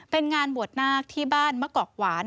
เป็นงานบวชนาคที่บ้านมะกอกหวาน